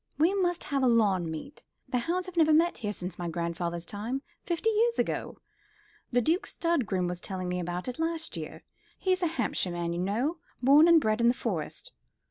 We must have a lawn meet. The hounds have never met here since my grandfather's time fifty years ago. The Duke's stud groom was telling me about it last year. He's a Hampshire man, you know, born and bred in the Forest.